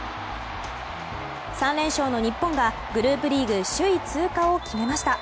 ３連勝の日本がグループリーグ首位通過を決めました。